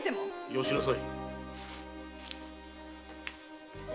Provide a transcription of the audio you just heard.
よしなさい。